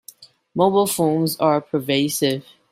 Mobile phones are pervasive.